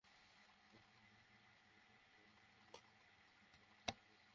হত্যাকাণ্ডের প্রায় দুই মাস হয়ে এলেও এখন পর্যন্ত ময়নাতদন্ত প্রতিবেদনও দেওয়া হয়নি।